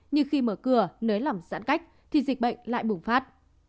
nhưng khi mở cửa nới lỏng giãn cách thì dịch bệnh lại bùng phát